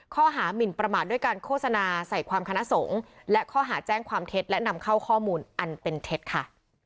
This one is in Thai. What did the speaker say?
หมินประมาทด้วยการโฆษณาใส่ความคณะสงฆ์และข้อหาแจ้งความเท็จและนำเข้าข้อมูลอันเป็นเท็จค่ะ